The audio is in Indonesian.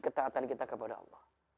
ketaatan kita kepada allah